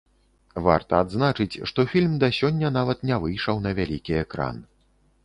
Варта адзначыць, што фільм да сёння нават не выйшаў на вялікі экран.